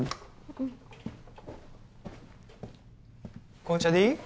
うん紅茶でいい？